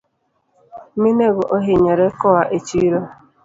Minego ohinyore koa echiro